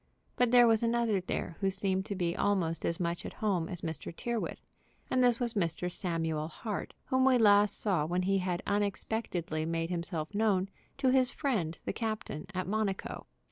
But there was another there who seemed to be almost as much at home as Mr. Tyrrwhit, and this was Mr. Samuel Hart, whom we last saw when he had unexpectedly made himself known to his friend the captain at Monaco.